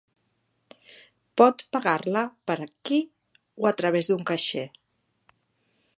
Pot pagar-la per aquí o a través d'un caixer.